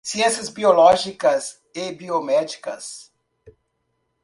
Ciências biológicas e biomédicas